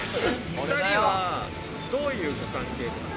２人はどういう関係ですか？